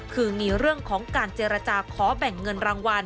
คือมีเรื่องของการเจรจาขอแบ่งเงินรางวัล